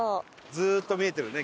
ずっと見えてるね